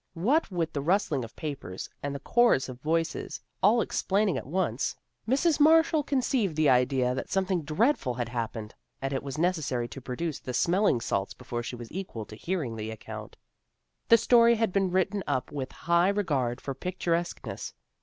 What with the rustling of papers, and the chorus of voices all explaining at once, Mrs. Marshall conceived 335 336 THE GIRLS OF FRIENDLY TERRACE the idea that something dreadful had happened, and it was necessary to produce the smelling salts before she was equal to hearing the account. The story had been written up with high regard for picturesqueness.